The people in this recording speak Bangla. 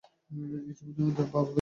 এই জীবনে বাবা বেঁচে আছেন।